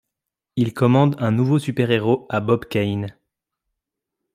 Ils commandent un nouveau super-héros à Bob Kane.